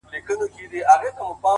o پر ړانده شپه او ورځ يوه ده٫